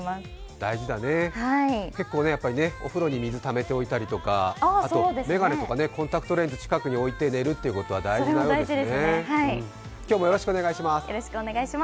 大事だね、お風呂に水をためておいたりとかあと眼鏡とかコンタクトレンズを近くに置いて寝るということは大事だよね。